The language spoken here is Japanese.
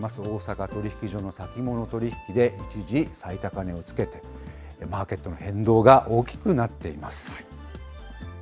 大阪取引所の先物取引で、一時最高値をつけて、マーケットの変動が大きくなっています。